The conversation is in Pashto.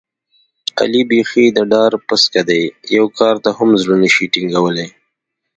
علي بیخي د ډار پسکه دی، یوه کار ته هم زړه نشي ټینګولی.